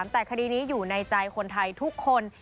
แต่คดีนี้อยู่ในใจคนไทยทุกคน